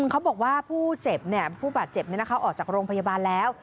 เขาบอกว่าผู้เจ็บผู้บาดเจ็บออกจากโรงพยาบาลแล้ว